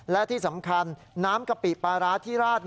และที่สำคัญน้ำกะปิปลาร้าที่ราด